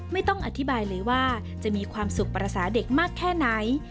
ไม่ต้องอธิบายเลยว่าจะมีความสุขภาษาเด็กมากแค่ไหน